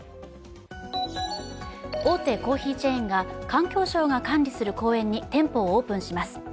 大手コーヒーチェーンが環境省が管理する公園に店舗をオープンします。